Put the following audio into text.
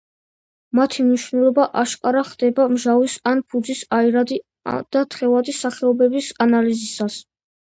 მათი მნიშვნელობა აშკარა ხდება მჟავის ან ფუძის აირადი და თხევადი სახეობების ანალიზისას.